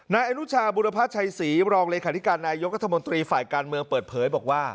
นายอนุชาบุรพัชชัยศรีรองเลขาธิการนายกรัฐมนตรีฝ่ายการเมืองเปิดเผยบอกว่า